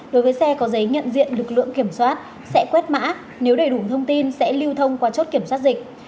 đối với xe có giấy nhận diện lực lượng kiểm soát sẽ quét mã nếu đầy đủ thông tin sẽ lưu thông qua chốt kiểm soát dịch